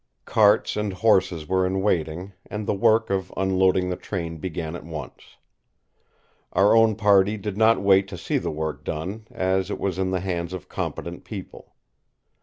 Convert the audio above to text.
Carts and horses were in waiting, and the work of unloading the train began at once. Our own party did not wait to see the work done, as it was in the hands of competent people.